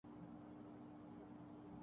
اس نے یہ غلطی جان بوجھ کے کی ہے۔